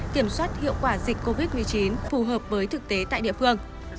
kiểm soát hiệu quả dịch covid một mươi chín phù hợp với thực tế tại địa phương